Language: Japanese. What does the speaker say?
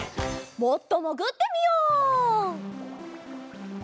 もっともぐってみよう。